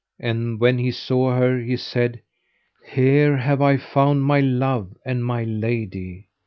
And when he saw her he said: Here have I found my love and my lady.